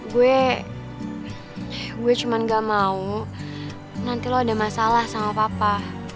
gue gue cuma gak mau nanti lo ada masalah sama papa